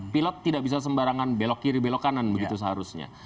pilot tidak bisa sembarangan belok kiri belok kanan